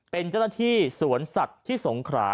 เป็นเจ้าหน้าที่สวนสัตว์ที่สงขรา